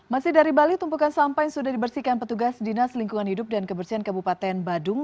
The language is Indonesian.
masih dari bali tumpukan sampah yang sudah dibersihkan petugas dinas lingkungan hidup dan kebersihan kabupaten badung